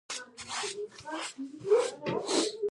د بیان ازادي مهمه ده ځکه چې راتلونکی ساتي.